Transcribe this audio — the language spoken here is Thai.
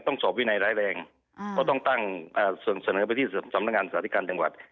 ต้องสอบวินัยร้ายแรงก็ต้องเสนอไปที่สำนักงานสถิการจังหวัด